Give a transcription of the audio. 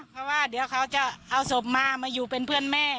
เพราะว่าเดี๋ยวเขาจะเอาศพมามาอยู่เป็นเพื่อนแม่